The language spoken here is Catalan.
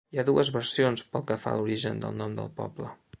Hi ha dues versions pel que fa a l'origen del nom del poble.